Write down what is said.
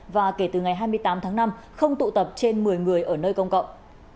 và kể từ ngày hai mươi tám tháng năm không tụ tập trên một mươi người ở nơi công cộng